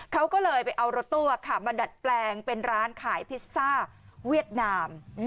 เขาก็เลยไปเอารถตู้มาดัดแปลงเป็นร้านขายพิซซ่าเวียดนาม